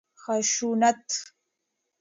خشونت